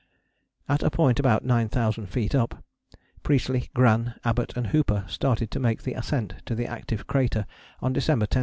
At a point about 9000 feet up, Priestley, Gran, Abbott and Hooper started to make the ascent to the active crater on December 10.